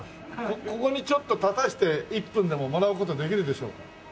ここにちょっと立たせて１分でももらう事はできるでしょうか？